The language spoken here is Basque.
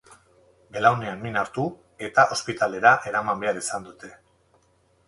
Belaunean min hartu du eta ospitalera eraman behar izan dute.